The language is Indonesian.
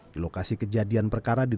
di lokasi kejadian perkara di